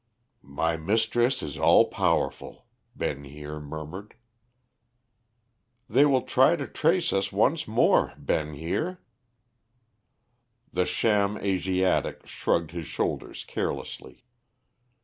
"My mistress is all powerful," Ben Heer murmured. "They will try to trace us once more, Ben Heer." The sham Asiatic shrugged his shoulders carelessly.